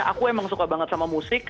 aku emang suka banget sama musik